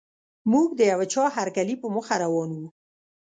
موږ د یوه چا هرکلي په موخه روان وو.